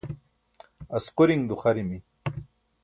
asquriṅ duxarimi